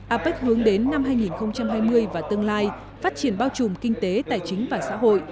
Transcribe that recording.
apec hướng đến năm hai nghìn hai mươi và tương lai phát triển bao trùm kinh tế tài chính và xã hội